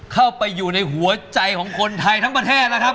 เข้าไปอยู่ในหัวใจของคนไทยทั้งประเทศนะครับ